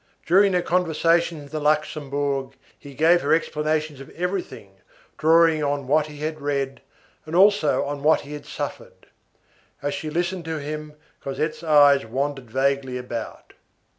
During their conversations in the Luxembourg, he gave her explanations of everything, drawing on what he had read, and also on what he had suffered. As she listened to him, Cosette's eyes wandered vaguely about.